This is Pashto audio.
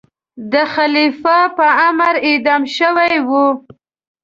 د خلیفه په امر اعدام شوی وي.